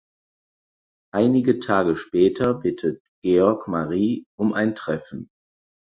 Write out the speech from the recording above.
Einige Tage später bittet Georg Marie um ein Treffen.